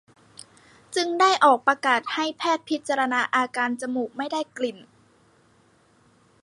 จึงได้ออกประกาศให้แพทย์พิจารณาอาการจมูกไม่ได้กลิ่น